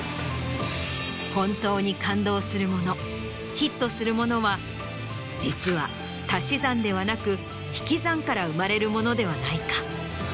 ヒットするものは実は足し算ではなく引き算から生まれるものではないか。